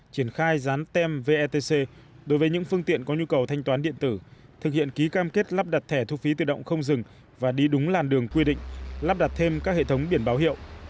triển khai rán tem vetc đối với những phương tiện có nhu cầu thanh toán điện tử thực hiện ký cam kết lắp đặt thẻ thu phí tự động không dừng và đi đúng làn đường quy định lắp đặt thêm các hệ thống biển báo hiệu